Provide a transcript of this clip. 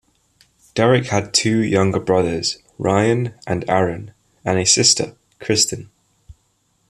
Derek had two younger brothers, Ryan and Aaron, and a sister, Krysten.